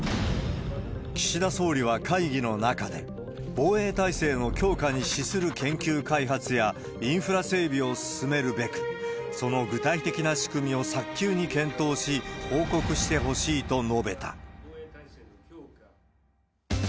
岸田総理は会議の中で、防衛体制の強化に資する研究開発やインフラ整備を進めるべく、その具体的な仕組みを早急に検討し、報告してほしいと述べた。